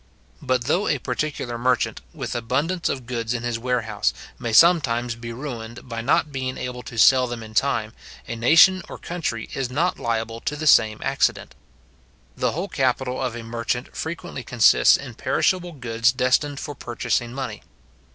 But though a particular merchant, with abundance of goods in his warehouse, may sometimes be ruined by not being able to sell them in time, a nation or country is not liable to the same accident, The whole capital of a merchant frequently consists in perishable goods destined for purchasing money.